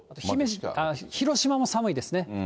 広島も寒いですね。